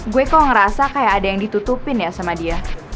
gue kok ngerasa kayak ada yang ditutupin ya sama dia